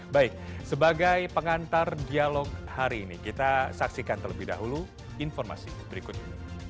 baik sebagai pengantar dialog hari ini kita saksikan terlebih dahulu informasi berikut ini